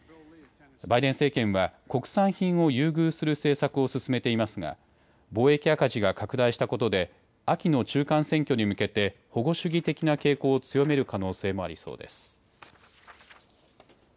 バイデン政権は国産品を優遇する政策を進めていますが貿易赤字が拡大したことで秋の中間選挙に向けて保護主義的な傾向を強める可能性もありそうです。